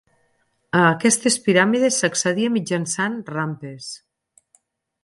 A aquestes piràmides s'accedia mitjançant rampes.